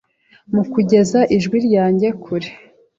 mu kugeza ijwi ryange kure,